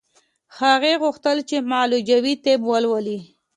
هغې غوښتل چې معالجوي طب ولولي